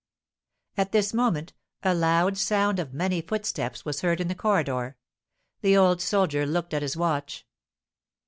At this moment a loud sound of many footsteps was heard in the corridor; the old soldier looked at his watch.